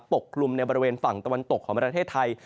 กลุ่มในบริเวณฝั่งตะวันตกของประเทศไทย